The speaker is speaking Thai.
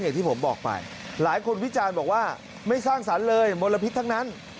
อย่างที่ผมบอกไปหลายคนวิจารณ์บอกว่าไม่สร้างสรรค์เลยมลพิษทั้งนั้น